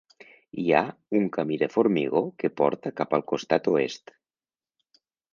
Hi ha un camí de formigó que porta cap al costat oest.